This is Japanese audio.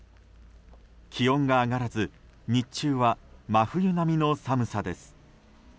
気温が上がらず日中は真冬並みの寒さです。